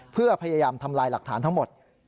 เพื่อพยายามทำลายหลักฐานทั้งหมด